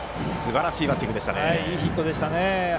いいヒットでしたね。